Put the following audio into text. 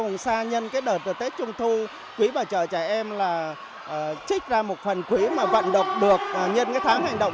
vùng xa nhân đợt tết trung thu quý bà trợ trẻ em trích ra một phần quý vận độc được nhân tháng hành động